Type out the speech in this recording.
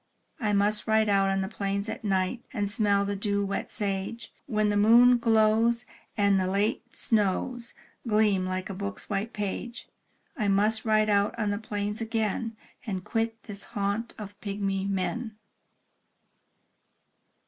I must ride out on the plains at night, And smell the dew wet sage. When the moon glows, and the late snows Gleam like a book's white page; I must ride out on the plains again, And quit this haunt of pygmy men.